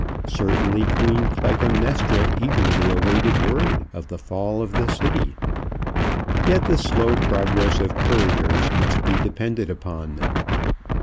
Certainly Queen Clytemnestra eagerly awaited word of the fall of the city. Yet the slow progress of couriers must be depended upon.